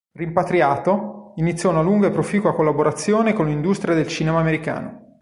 Rimpatriato, iniziò una lunga e proficua collaborazione con l'industria del cinema americano.